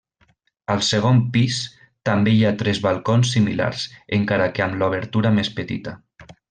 Al segon pis també hi ha tres balcons similars, encara que amb l'obertura més petita.